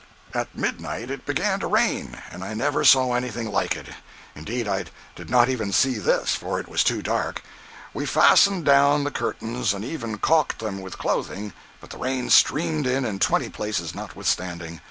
103.jpg (35K) At midnight it began to rain, and I never saw anything like it—indeed, I did not even see this, for it was too dark. We fastened down the curtains and even caulked them with clothing, but the rain streamed in in twenty places, nothwithstanding.